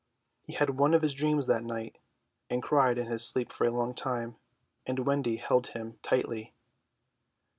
He had one of his dreams that night, and cried in his sleep for a long time, and Wendy held him tightly.